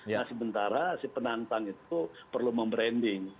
nah sementara si penantang itu perlu membranding